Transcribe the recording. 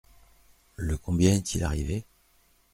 Le combien est-il arrivé ?